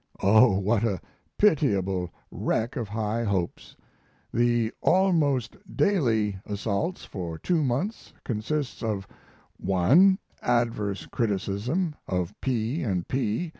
Oh, what a pitiable wreck of high hopes! The "almost daily" assaults for two months consist of (1) adverse criticism of P. & P.